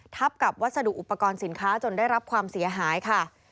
ทับกับวัสดุอุปกรณ์สินค้าจนได้รับความเสียหายค่ะ